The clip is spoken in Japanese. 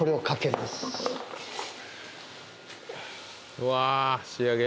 うわ仕上げ？